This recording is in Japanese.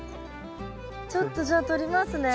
ちょっとじゃあ取りますね。